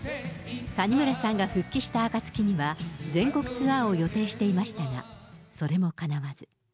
谷村さんが復帰したあかつきには、全国ツアーを予定していましたが、それもかなわず。